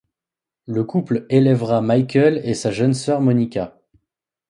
Le couple élèvera Michael et sa jeune sœur Monica.